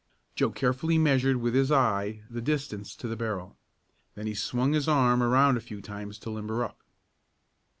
Joe carefully measured with his eye the distance to the barrel. Then he swung his arm around a few times to "limber up."